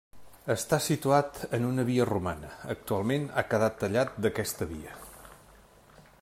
Està situat en una via romana, actualment ha quedat tallat d'aquesta via.